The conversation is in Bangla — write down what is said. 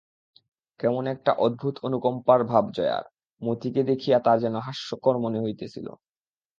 কেমন একটা অদ্ভুত অনুকম্পার ভাব জয়ার, মতিকে দেখিয়া তার যেন হাস্যকর মনে হইতেছিল!